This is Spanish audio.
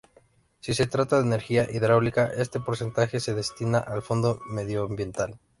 Si se trata de energía hidráulica, este porcentaje se destina al Fondo Medioambiental.